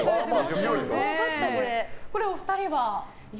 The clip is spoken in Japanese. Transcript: これ、お二人は？